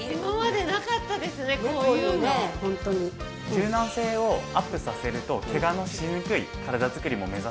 柔軟性をアップさせるとケガのしにくい体づくりも目指せるので。